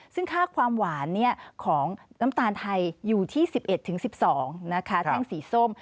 ซึ่งค่าความหวานของน้ำตาลไทยอยู่ที่๑๑๑๑๒นะคะแท่งสีส้ม